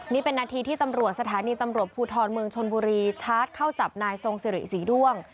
นี่เป็นนาทีที่ตำรวจสถานีตำรวจภูทรเมืองชนบุรีชาร์จเข้าจับนายทรงสิริศรีด้วง